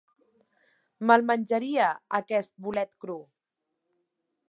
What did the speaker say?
Me'l menjaria, aquest bolet cru!